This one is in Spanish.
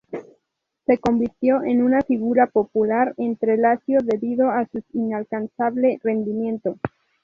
Se convirtió en una figura popular entre la Lazio debido a sus incansable rendimiento.